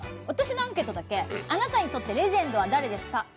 私のアンケートだけ、あなたにとってレジェンドは誰ですか？